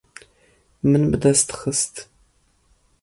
Min bi dest xist.